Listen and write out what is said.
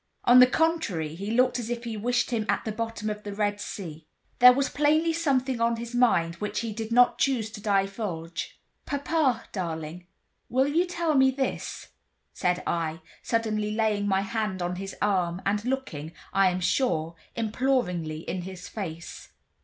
On the contrary, he looked as if he wished him at the bottom of the Red Sea. There was plainly something on his mind which he did not choose to divulge. "Papa, darling, will you tell me this?" said I, suddenly laying my hand on his arm, and looking, I am sure, imploringly in his face.